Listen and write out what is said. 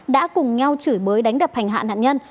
đã cùng nhau chửi bới đánh đập hành hạ nạn nhân